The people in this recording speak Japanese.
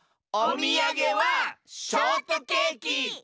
おみやげはショートケーキ！